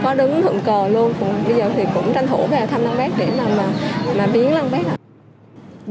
dụng cờ luôn bây giờ thì cũng tranh thủ về tâm lăng bác để làm biến lăng bác